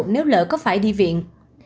nếu lỡ có phải đi viện